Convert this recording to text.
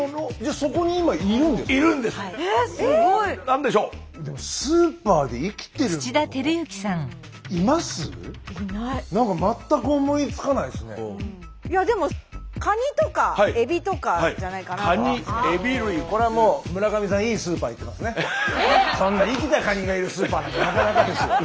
そんな生きたカニがいるスーパーなんてなかなかですよ。